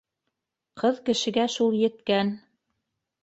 Ҡыҙ кешегә шул еткән.